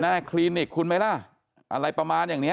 หน้าคลีนิคคุ้นไหมล่ะอะไรประมาณแบบนี้